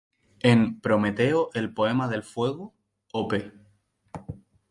En "Prometeo, el Poema del Fuego", Op.